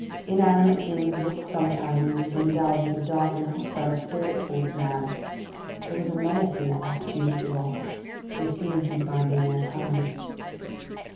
Inanimate things look sometimes as if endowed with a dark and hostile spirit towards man. There was a menace in the attitude of the rocks. They seemed to be biding their time.